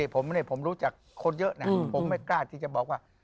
ผมรู้จักคนเยอะนะผมไม่กล้าที่จะบอกว่า